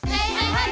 はい！